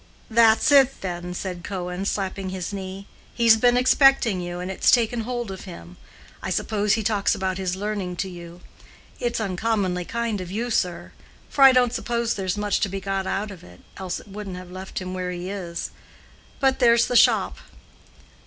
"That's it, then!" said Cohen, slapping his knee. "He's been expecting you, and it's taken hold of him. I suppose he talks about his learning to you. It's uncommonly kind of you, sir; for I don't suppose there's much to be got out of it, else it wouldn't have left him where he is. But there's the shop."